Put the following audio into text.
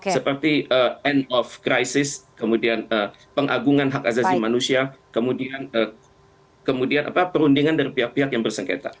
seperti end of crisis kemudian pengagungan hak azazi manusia kemudian perundingan dari pihak pihak yang bersengketa